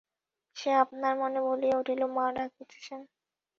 সে আপনার মনে বলিয়া উঠিল, মা ডাকিতেছেন!